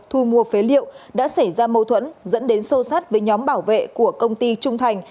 thu mua phế liệu đã xảy ra mâu thuẫn dẫn đến sô sát với nhóm bảo vệ của công ty trung thành